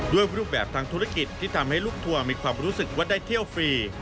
รูปแบบทางธุรกิจที่ทำให้ลูกทัวร์มีความรู้สึกว่าได้เที่ยวฟรี